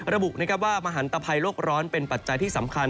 ระบุว่ามหันตภัยโลกร้อนเป็นปัจจัยที่สำคัญ